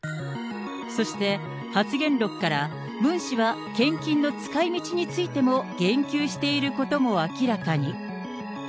そして、発言録からムン氏は献金の使いみちについても言及していることも明らかに。